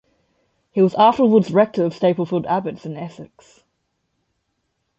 He was afterwards Rector of Stapleford Abbotts in Essex.